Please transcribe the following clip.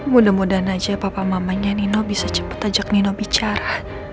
mudah mudahan aja papa mamanya nino bisa cepat ajak nino bicara